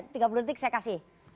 tiga puluh detik saya kasih